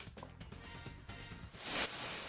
เออ